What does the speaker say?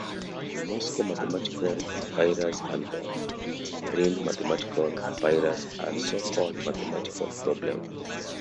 The Moscow Mathematical Papyrus and Rhind Mathematical Papyrus are so-called mathematical problem texts.